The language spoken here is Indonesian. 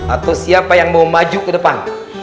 atau siapa yang mau maju ke depan